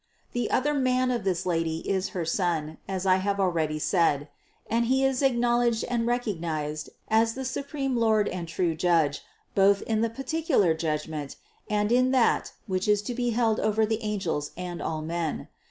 The other Man of this Lady is her Son, as I have already said (774), and He is acknowledged and recognized as the supreme Lord and true Judge both in the particular judgment, and in that, which is to be held over the angels and all men.